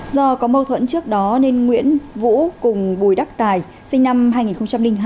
do có mâu thuẫn trước đó nên nguyễn vũ cùng bùi đắc tài sinh năm hai nghìn hai